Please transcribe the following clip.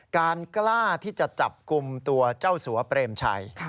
กล้าที่จะจับกลุ่มตัวเจ้าสัวเปรมชัย